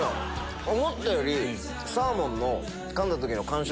思ったよりサーモンのかんだ時の感触